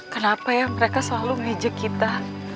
kenapa ya mereka selalu ngejek kita